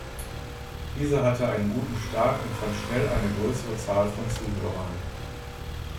Diese hatte einen guten Start und fand schnell eine größere Zahl von Zuhörern.